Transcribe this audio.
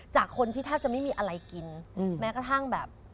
จากคนที่แทบจะไม่มีอะไรกินแม้กระทั่งแบบ